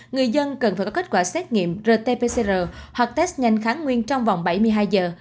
người dân cần phải có kết quả xét nghiệm rt pcr hoặc test nhanh kháng nguyên trong vòng bảy mươi hai giờ